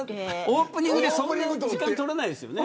オープニングでそんなに時間取らないですよね。